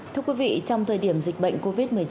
thưa quý vị trong thời điểm dịch bệnh covid một mươi chín